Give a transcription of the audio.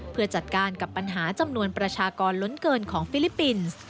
เพื่อจัดการกับปัญหาจำนวนประชากรล้นเกินของฟิลิปปินส์